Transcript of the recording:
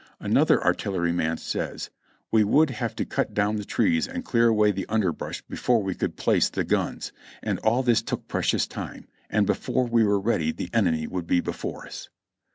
Another artilleryman says : "We would have to cut down the trees and clear away the underbrush before we could place the guns, and all this took precious time, and before we were ready the enemy would be before us."